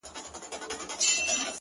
• گلاب جانانه ته مي مه هېروه ـ